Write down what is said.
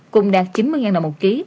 cùng đạt chín mươi ngàn đồng một ký